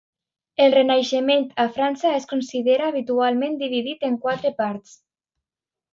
El Renaixement a França es considera habitualment dividit en quatre parts.